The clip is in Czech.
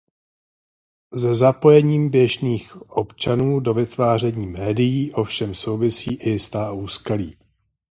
Se zapojením běžných občanů do vytváření médií ovšem souvisí i jistá úskalí.